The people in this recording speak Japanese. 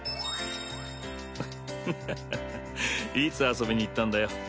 いつ遊びに行ったんだよ？